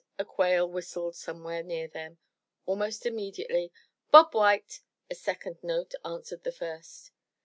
a quail whistled some where near them. Almost immediately, "Bob white!*' a second note answered the first.